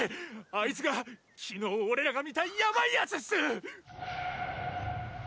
あいつが昨日俺らが見たヤバイ奴っす！